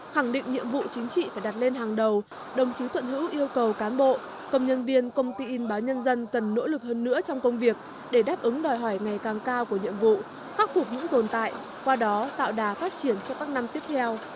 khẳng định nhiệm vụ chính trị phải đặt lên hàng đầu đồng chí thuận hữu yêu cầu cán bộ công nhân viên công ty in báo nhân dân cần nỗ lực hơn nữa trong công việc để đáp ứng đòi hỏi ngày càng cao của nhiệm vụ khắc phục những tồn tại qua đó tạo đà phát triển cho các năm tiếp theo